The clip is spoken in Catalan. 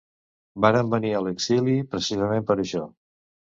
Vàrem venir a l’exili precisament per això.